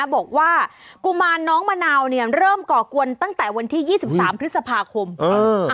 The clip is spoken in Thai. บอกว่ากุมารน้องมะนาวเนี่ยเริ่มก่อกวนตั้งแต่วันที่ยี่สิบสามพฤษภาคม